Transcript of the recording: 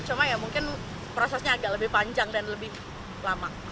cuma ya mungkin prosesnya agak lebih panjang dan lebih lama